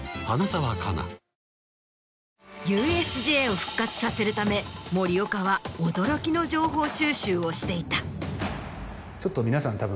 ＵＳＪを復活させるため森岡は驚きの情報収集をしていた。